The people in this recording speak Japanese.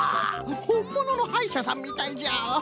ほんもののはいしゃさんみたいじゃ。